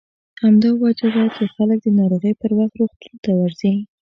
همدا وجه ده چې خلک د ناروغۍ پر وخت روغتون ته ورځي.